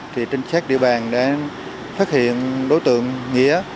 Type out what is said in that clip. thì trinh sát địa bàn đã phát hiện đối tượng nghĩa